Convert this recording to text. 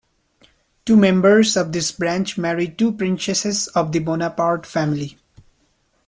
Two members of this branch married two princesses of the Bonaparte family.